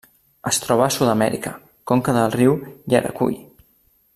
Es troba a Sud-amèrica: conca del riu Yaracuy.